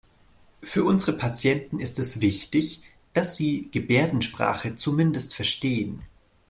Für unsere Patienten ist es wichtig, dass Sie Gebärdensprache zumindest verstehen.